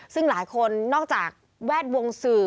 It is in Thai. ซึ่งหลายคนนอกจากแวดวงสื่อ